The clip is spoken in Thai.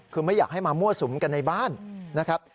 คือไม่อยากให้มามั่วสุมกันในบ้านนะครับ